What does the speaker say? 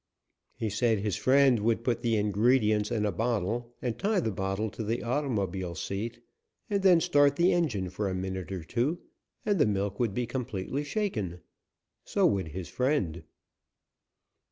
He said his friend would put the ingredients in a bottle, and tie the bottle to the automobile seat, and then start the engine for a minute or two, and the milk would be completely shaken. So would his friend.